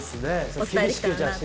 お伝えしたいなと。